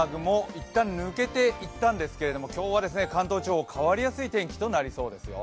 いったん抜けていったんですけれども、今日は関東地方、変わりやすい天気となりそうですよ。